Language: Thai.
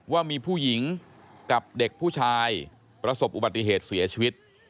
ว่ามีผู้หญิงกับเด็กผู้ชายประสบอุบัติเหตุเสียชีวิต